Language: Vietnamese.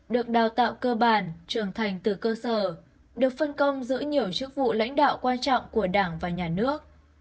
được đào tạo cơ bản trưởng thành từ cơ sở được phân công giữ nhiều chức vụ lãnh đạo quan trọng của đảng và nhà nước